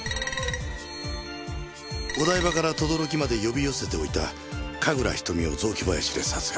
お台場から等々力まで呼び寄せておいた神楽瞳を雑木林で殺害。